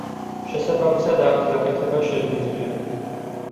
შესაბამისად, ამის გაკეთება შეგვიძლია.